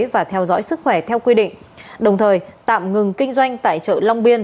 và theo dõi sức khỏe theo quy định đồng thời tạm ngừng kinh doanh tại chợ long biên